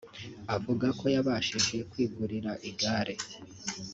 Avuga ko yabashije kwigurira igare